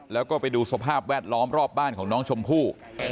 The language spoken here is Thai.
แล้วก็ไปดูสภาพแวดล้อมรอบบ้านของน้องชมพู่